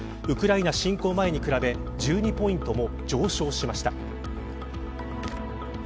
ウクライナ侵攻前に比べ１２ポイントも上昇しました。